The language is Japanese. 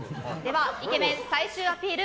イケメン最終アピール